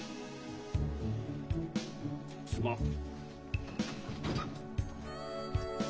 すまん。